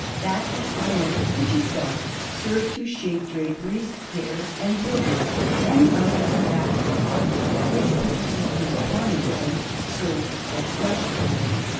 That of iron, which is dark, served to shade draperies, hair, and buildings; and the other, that of copper, which produces a tawny tint, served for flesh colours.